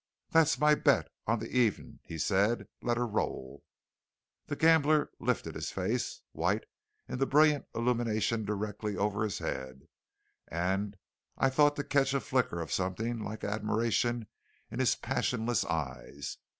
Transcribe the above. "That's my bet on the even," said he. "Let her roll!" The gambler lifted his face, white in the brilliant illumination directly over his head, and I thought to catch a flicker of something like admiration in his passionless eyes.